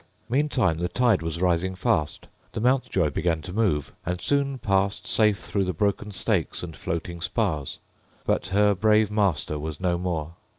Meantime the tide was rising fast. The Mountjoy began to move, and soon passed safe through the broken stakes and floating spars. But her brave master was no more.